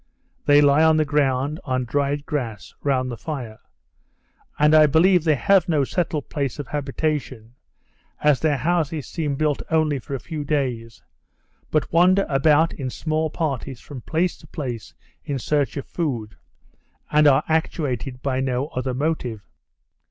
They lie on the ground, on dried grass, round the fire; and I believe they have no settled place of habitation (as their houses seemed built only for a few days), but wander about in small parties from place to place in search of food, and are actuated by no other motive.